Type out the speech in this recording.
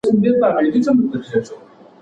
ډیپلوماسي باید د هېواد د اقتصاد لپاره وي.